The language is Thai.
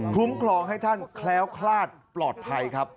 คุ้มครองให้ท่านแคล้วคลาดปลอดภัยครับ